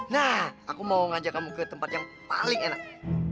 nah aku mau ngajak kamu ke tempat yang paling enak